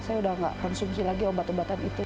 saya udah nggak konsumsi lagi obat obatan itu